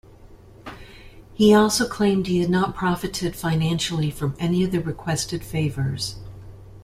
He also claimed he had not profited financially from any of the requested favors.